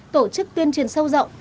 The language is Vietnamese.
tổ chức tuyên truyền sâu dài